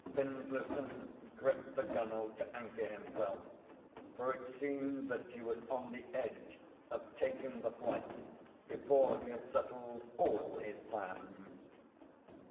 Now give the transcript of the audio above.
Findlayson gripped the gunnel to anchor himself, for it seemed that he was on the edge of taking the flight before he had settled all his plans.